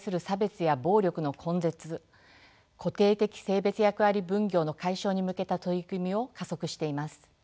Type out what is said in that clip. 固定的性別役割分業の解消に向けた取り組みを加速しています。